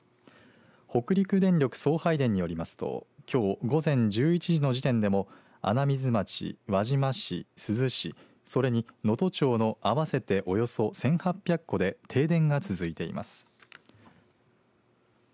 北陸電力送配電によりますときょう午前１１時の時点でも穴水町輪島市、珠洲市それに能登町の合わせて、およそ１８００戸で停電が続いています。